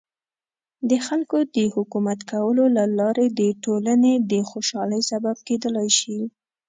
د خلکو د خدمت کولو له لارې د ټولنې د خوشحالۍ سبب کیدلای شي.